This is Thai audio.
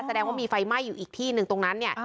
แสดงว่ามีไฟไหม้อยู่อีกที่หนึ่งตรงนั้นเนี่ย